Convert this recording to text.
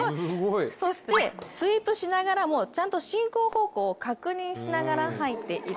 そして、スイープしながらもちゃんと進行方向を確認しながら入っている。